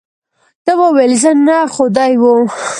ده وویل، زه نه، خو دی وو.